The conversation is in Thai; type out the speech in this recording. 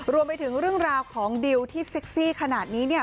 รวมไปถึงเรื่องราวของดิวที่เซ็กซี่ขนาดนี้เนี่ย